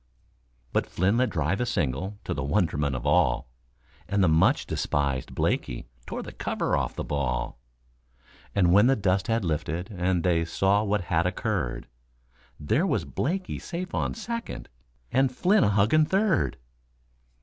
But Flynn let drive a single to the wonderment of all, And the much despisèd Blaikie tore the cover off the ball; And when the dust had lifted, and they saw what had occurred, There was Blaikie safe on second and Flynn a hugging third!